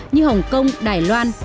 như hồng kông đài loan